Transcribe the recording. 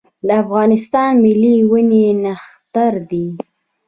د افغانستان ملي ونې نښتر دی